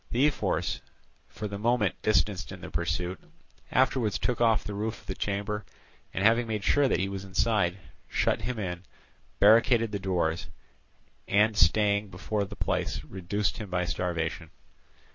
The ephors, for the moment distanced in the pursuit, afterwards took off the roof of the chamber, and having made sure that he was inside, shut him in, barricaded the doors, and staying before the place, reduced him by starvation.